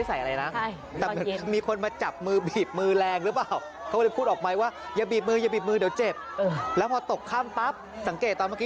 แต่วันที่เหมือนต้องใส่เหมือนกับที่พยุงมือ